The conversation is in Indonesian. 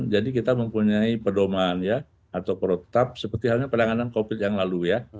jadi kita mempunyai pedoman ya atau perotap seperti halnya penanganan covid yang lalu ya